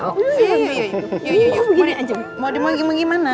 kakek rena rena